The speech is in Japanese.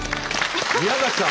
宮崎さん